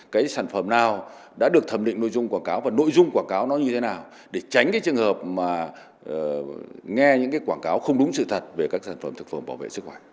cái sản phẩm nào đã được thẩm định nội dung quảng cáo và nội dung quảng cáo nó như thế nào để tránh cái trường hợp mà nghe những cái quảng cáo không đúng sự thật về các sản phẩm thực phẩm bảo vệ sức khỏe